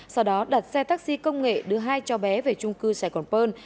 sau đó đặt xe taxi công nghệ đưa hai cho bé về trung cư sài gòn pơn